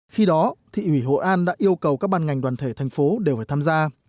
khi đó thị ủy hội an đã yêu cầu các ban ngành đoàn thể thành phố đều phải tham gia